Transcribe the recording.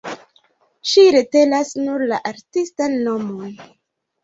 Ŝi retenas nur la artistan nomon.